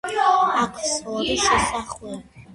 აქვს ორი შესახვევი.